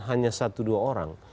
hanya satu dua orang